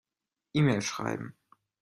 E-Mail schreiben.